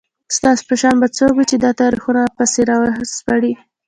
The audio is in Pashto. ستاسو په شان به څوک وي چي دا تاریخونه پسي راوسپړي